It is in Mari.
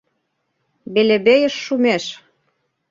БЕЛЕБЕЙЫШ ШУМЕШ